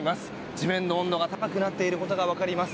地面の温度が高くなっていることがわかります。